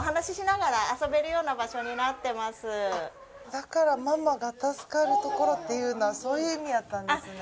だからママが助かるところっていうのはそういう意味やったんですね。